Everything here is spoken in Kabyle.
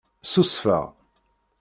Ssusfeɣ.